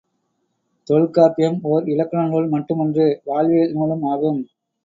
தொல்காப்பியம் ஓர் இலக்கண நூல் மட்டுமன்று, வாழ்வியல் நூலும் ஆகும்.